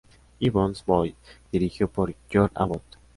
Gibbons' Boys, dirigido por George Abbott.